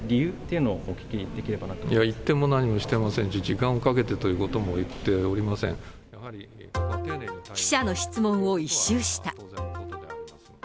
いや、一転も何もしてませんし、時間をかけてということも言っておりま記者の質問を一蹴した。